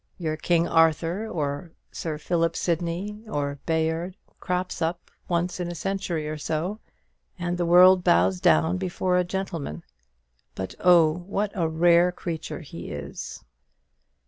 Your King Arthur, or Sir Philip Sidney, or Bayard, crops up once in a century or so, and the world bows down before a gentleman; but, oh, what a rare creature he is!"